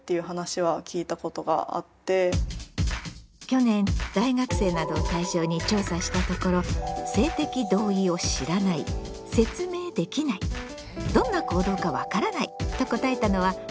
去年大学生などを対象に調査したところ性的同意を知らない説明できないどんな行動か分からないと答えたのは半数以上。